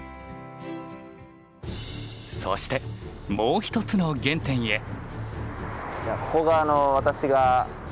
そしてもう一つの原点へ。